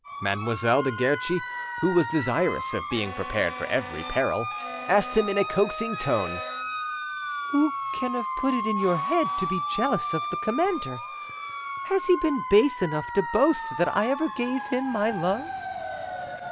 Mademoiselle de Guerchi, who was desirous of being prepared for every peril, asked him in a coaxing tone— "Who can have put it into your head to be jealous of the commander? Has he been base enough to boast that I ever gave him my love?"